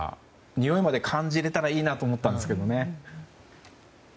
においまで感じられたらいいなと思ったんですけどね。